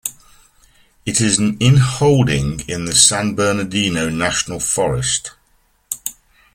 It is an inholding in the San Bernardino National Forest.